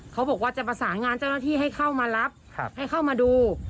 เขาบอกว่าจะประสานงานเจ้าหน้าที่ให้เข้ามารับให้เข้ามาดู